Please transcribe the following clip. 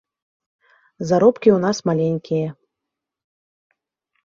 Заробкі ў нас маленькія.